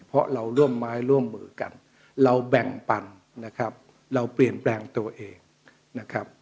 เพราะเราร่วมไม้ร่วมมือกันเราแบ่งปันเราเปลี่ยนแปลงตัวเอง